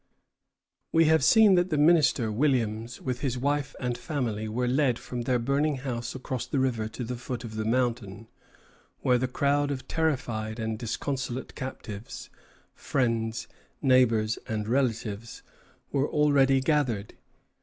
We have seen that the minister, Williams, with his wife and family, were led from their burning house across the river to the foot of the mountain, where the crowd of terrified and disconsolate captives friends, neighbors, and relatives were already gathered.